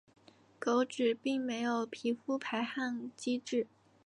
狗只并没有皮肤排汗机制。